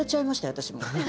私も。